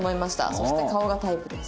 「そして顔がタイプです」